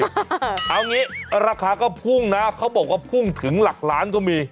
เอางี้ราคาก็พุ่งนะเขาบอกว่าพุ่งถึงหลักล้านก็มี